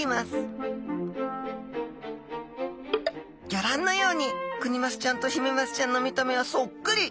ギョ覧のようにクニマスちゃんとヒメマスちゃんの見た目はそっくり！